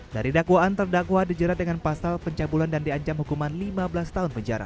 dari dakwaan terdakwa dijerat dengan pasal pencabulan dan diancam hukuman lima belas tahun penjara